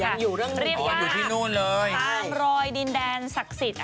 ยังอยู่เรื่องนี้อยู่ที่นู่นเลยเรียกว่าตามรอยดินแดนศักดิ์สิทธิ์